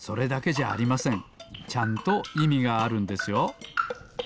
ちゃんといみがあるんですよ。